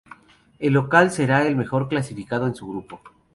El local será el mejor clasificado en su grupo.